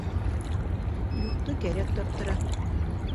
Юҡты кәрәк таптыра.